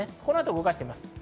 動かしてみます。